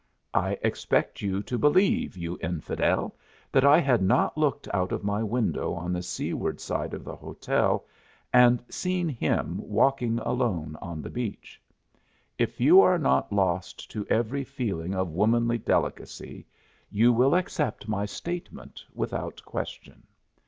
I expect you to believe, you infidel! that I had not looked out of my window on the seaward side of the hotel and seen Him walking alone on the beach. If you are not lost to every feeling of womanly delicacy you will accept my statement without question.